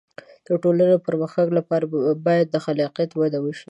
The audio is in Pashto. د ټولنې د پرمختګ لپاره باید د خلاقیت وده وشي.